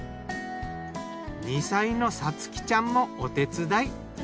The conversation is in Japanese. ２歳の颯季ちゃんもお手伝い。